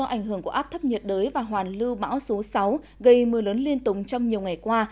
ảnh hưởng của áp thấp nhiệt đới và hoàn lưu bão số sáu gây mưa lớn liên tục trong nhiều ngày qua